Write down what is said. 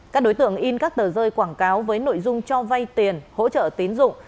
các đối tượng in các tờ rơi quảng cáo với nội dung cho vay tiền hỗ trợ tín dụng